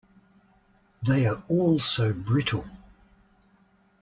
They are all so brittle!